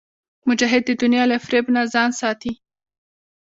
مجاهد د دنیا له فریب نه ځان ساتي.